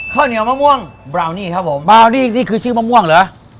ข้าวเหนียวมะม่วงบราวนี่ครับผมบราวนี่นี่คือชื่อมะม่วงเหรอ